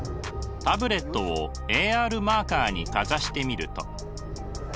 タブレットをＡＲマーカーにかざしてみると。